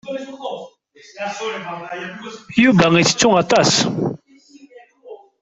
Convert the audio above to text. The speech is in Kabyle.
Yuba yettettu aṭas.